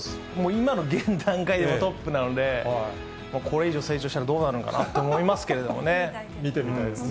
今の現段階でもトップなので、これ以上成長したら、どうなるん見てみたいですね。